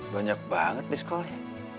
banyak banget miss callnya